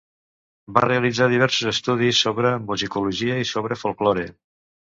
Va realitzar diversos estudis sobre musicologia i sobre folklore.